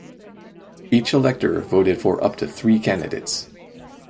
Each elector voted for up to three candidates.